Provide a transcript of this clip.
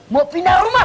mau pindah rumah